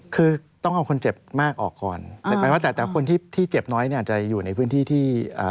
คือต้องเอาคนเจ็บมากออกก่อนแต่คนที่เจ็บน้อยอาจจะอยู่ในพื้นที่ที่